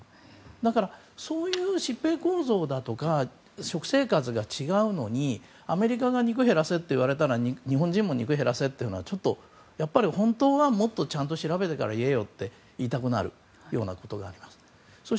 だから、そういう疾病構造だとか食生活が違うのにアメリカが肉減らせと言われたら日本人も肉減らせっていうのは本当はもっとちゃんと調べてから言えよって言いたくなるんですよね。